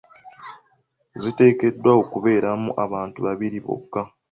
Ziteekeddwa okubeeramu abantu babiri bokka.